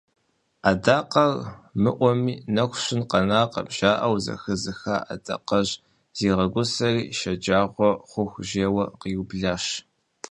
«Адакъэр мыӏуэми нэху щын къанэкъым» жаӏэу зэхэзыха адэкъэжьым зигъэгусэри шэджагъуэ хъуху жейуэ къиублащ.